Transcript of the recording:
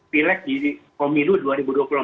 pileg di pemilu dua ribu dua puluh empat